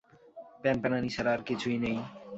প্যানপ্যানানি ছাড়া আর কিছুই নেই।